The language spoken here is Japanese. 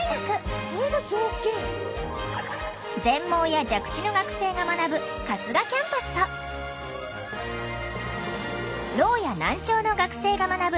全盲や弱視の学生が学ぶ春日キャンパスとろうや難聴の学生が学ぶ